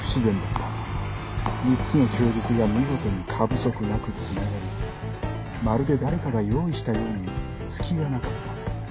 ３つの供述が見事に過不足なく繋がりまるで誰かが用意したように隙がなかった